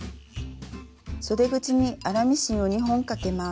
そで口に粗ミシンを２本かけます。